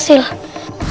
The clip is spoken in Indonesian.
aku tidak bisa menerima